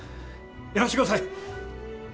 やらしてください！